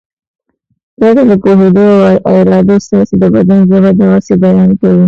پرته له پوهېدو او ارادې ستاسې د بدن ژبه د غسې بیان کوي.